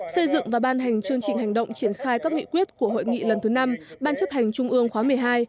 xây dựng và ban hành chương trình hành động triển khai các nghị quyết của hội nghị lần thứ năm ban chấp hành trung ương khóa một mươi hai